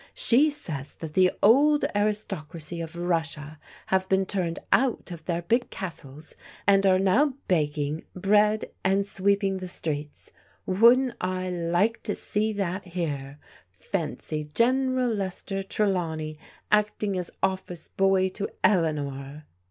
She says that the old aristocracy of Russia have been turned out of their big castles, and are now begging bread and sweeping the streets. Wouldn't I like to see that here! Fancy General Lester Trelawney acting as office boy to Eleanor."